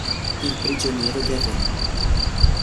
Il prigioniero del re